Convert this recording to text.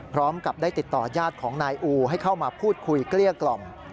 พร้อมกับได้ติดต่อยาดของนายอูให้เข้ามาพูดคุยเกลี้ยกล่อม